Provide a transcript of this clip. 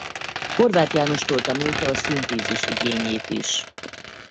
Horváth Jánostól tanulta a szintézis igényét is.